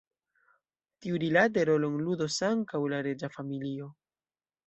Tiurilate rolon ludos ankaŭ la reĝa familio.